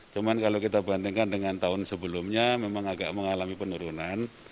cuman kalau kita bandingkan dengan tahun sebelumnya memang agak mengalami penurunan